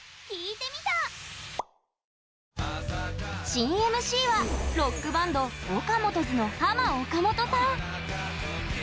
新 ＭＣ は、ロックバンド ＯＫＡＭＯＴＯ’Ｓ のハマ・オカモトさん。